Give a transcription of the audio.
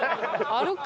あるか？